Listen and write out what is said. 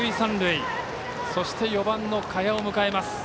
そして４番の賀谷を迎えます。